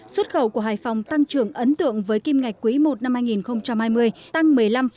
xuất khẩu của hải phòng tăng trưởng ấn tượng với kim ngạch quý i năm hai nghìn hai mươi tăng một mươi năm sáu mươi hai